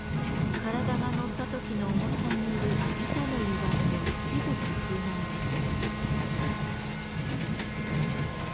体が乗った時の重さによる板のゆがみを防ぐ工夫なのです。